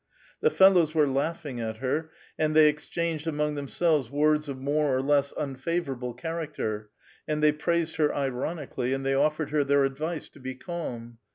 The fellows were laughing at her, and they exchanged among themselves words of more or less unfavor able character, and they praised her ironically, and they offered her their advice to be calm.